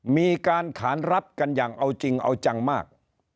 มีการขานรับกันอย่างเอาจริงเอาจังมาก